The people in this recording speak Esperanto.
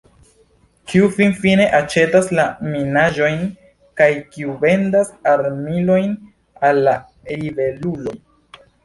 Kiu finfine aĉetas la minaĵojn kaj kiu vendas armilojn al la ribeluloj?